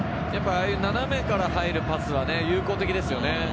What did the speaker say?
斜めから入るパスは有効的ですよね。